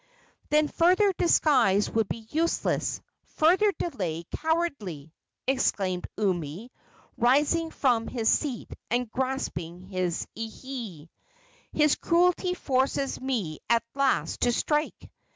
"Then further disguise would be useless, further delay cowardly!" exclaimed Umi, rising from his seat and grasping his ihe. "His cruelty forces me at last to strike!